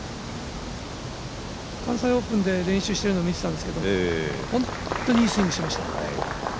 関西オープンで練習しているのを見たんですけど本当にいいスイングしてました。